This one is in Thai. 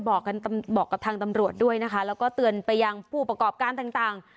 บอกกับทางตำรวจด้วยนะคะแล้วก็เตือนไปยังผู้ประกอบการต่าง